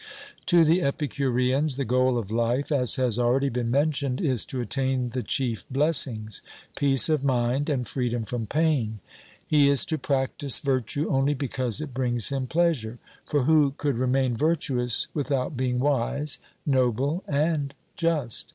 To the Epicureans the goal of life, as has already been mentioned, is to attain the chief blessings, peace of mind, and freedom from pain. He is to practise virtue only because it brings him pleasure; for who could remain virtuous without being wise, noble, and just?